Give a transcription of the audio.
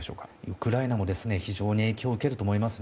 ウクライナも非常に影響を受けると思います。